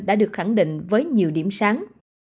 đã được khẳng định với nhiều điểm sáng